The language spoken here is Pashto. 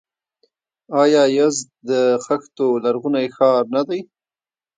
آیا یزد د خښتو لرغونی ښار نه دی؟